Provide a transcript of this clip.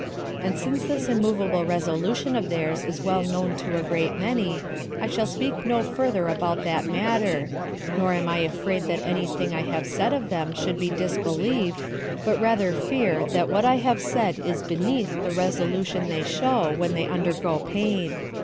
And since this immovable resolution of theirs is well known to a great many, I shall speak no further about that matter; nor am I afraid that any thing I have said of them should be disbelieved, but rather fear, that what I have said is beneath the resolution they show when they undergo pain.